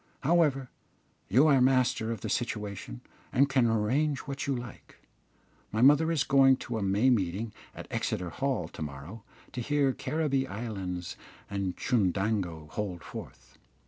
However, you are master of the situation, and can arrange what you like. My mother is going to a May meeting at Exeter Hall to morrow to hear Caribbee Islands and Chundango hold forth.